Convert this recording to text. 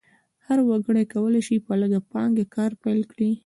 هر وګړی کولی شي په لږه پانګه کار پیل کړي.